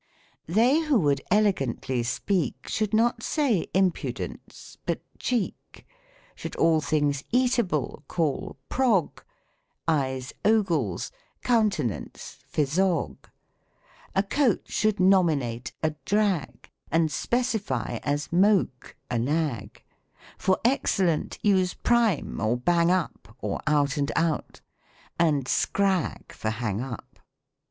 They who would elegantly speak Should not say "impudence," but "cheek;" Should all things eatable call " prog;" Eyes "ogles," countenance " phisog." A coach should nominate a " drag," And specify as " moke," a nag : For excellent, use " prime" or "bang up," Or "out and out;" and " scrag," for hang up.